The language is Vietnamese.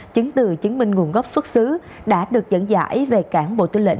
chứng từ chứng minh nguồn gốc xuất xứ đã được dẫn giải về cảng bộ tư lệnh